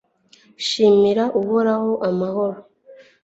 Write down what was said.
shimira uhoraho amahoro